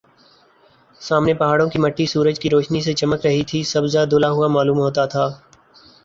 سامنے پہاڑوں کی مٹی سورج کی روشنی سے چمک رہی تھی سبزہ دھلا ہوا معلوم ہوتا تھا